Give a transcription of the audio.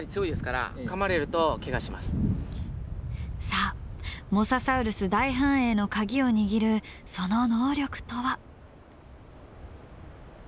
さあモササウルス大繁栄のカギを握るその能力とは。